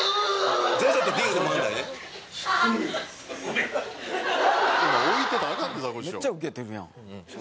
「めっちゃウケてるやん」